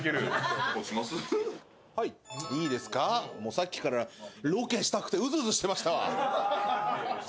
さっきからロケしたくてうずうずしてました。